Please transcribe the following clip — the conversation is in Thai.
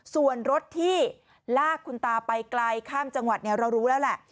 ส่วนรถที่ลากคุณตาไปไกลข้ามจังหวัดเรารู้แล้วแหละ